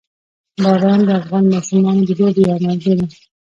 باران د افغان ماشومانو د لوبو یوه موضوع ده.